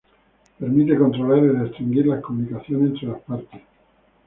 Permite controlar y restringir las comunicaciones entre las partes.